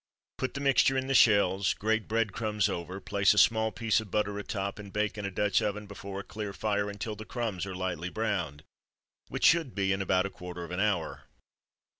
Put the mixture in the shells, grate bread crumbs over, place a small piece of butter atop, and bake in a Dutch oven before a clear fire until the crumbs are lightly browned, which should be in about a quarter of an hour.